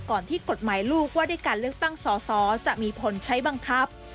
ที่กฎหมายลูกว่าด้วยการเลือกตั้งสอสอจะมีผลใช้บังคับ